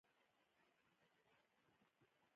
میږیان ټولنیز ژوند لري